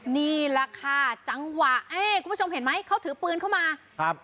นี่แหละค่ะจังหวะเอ๊ะคุณผู้ชมเห็นไหมเขาถือปืนเข้ามาครับ